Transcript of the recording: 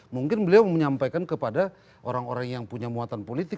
mungkin beliau menyampaikan kepada orang orang yang punya muatan politik